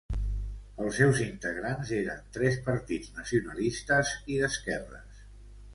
Els seus integrants eren tres partits nacionalistes i d'esquerres.